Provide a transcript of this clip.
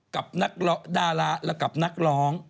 กับดาราแล้วกับนักร้อง